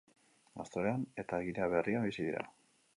Australian eta Ginea Berrian bizi dira.